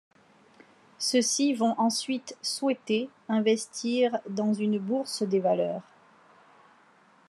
Ceux-ci vont ensuite souhaiter investir dans une bourse des valeurs.